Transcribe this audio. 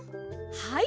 はい。